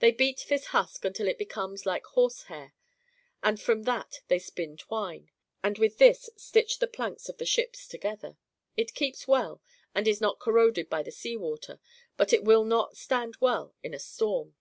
They beat this husk until it becomes like horse hair, and from that they spin twine, and with' this stitch the planks of the ships together. It keeps well, and is not corroded by the sea water, but it will not stand well in a storm.